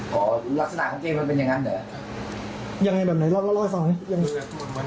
ก็ถืออาศัยรถขั้นไหนที่เสียบุญแจทิ้งไว้